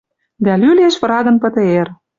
Дӓ лӱлеш врагын ПТР.